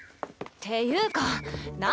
っていうかな